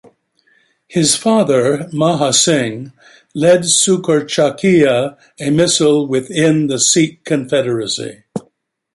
His father Maha Singh led Sukerchakia, a misl within the Sikh Confederacy.